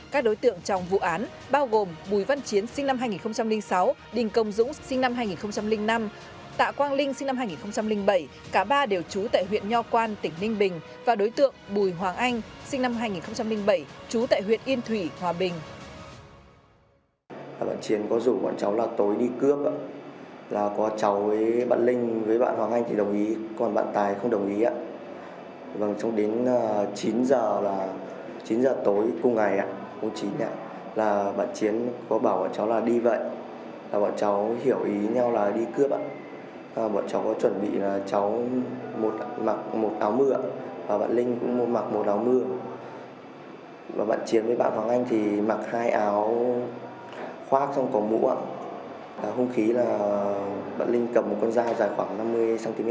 các đối tượng trong vụ án bao gồm bùi văn chiến sinh năm hai nghìn sáu đình công dũng sinh năm hai nghìn năm tạ quang linh sinh năm hai nghìn bảy